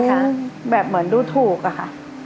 แบบเหมือนดูถูกอะค่ะ